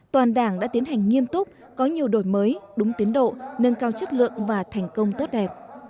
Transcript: toàn đảng đã tiến hành nghiêm túc có nhiều đổi mới đúng tiến độ nâng cao chất lượng và thành công tốt đẹp